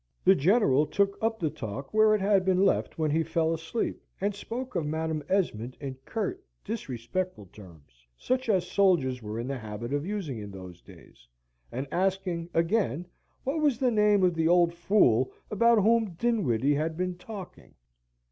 The General took up the talk where it had been left when he fell asleep, and spoke of Madam Esmond in curt, disrespectful terms, such as soldiers were in the habit of using in those days, and asking, again, what was the name of the old fool about whom Dinwiddie had been talking?